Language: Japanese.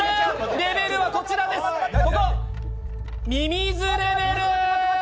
レベルはミミズレベル！